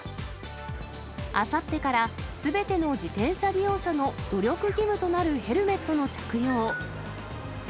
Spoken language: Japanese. あさってからすべての自転車利用者の努力義務となるヘルメットの着用。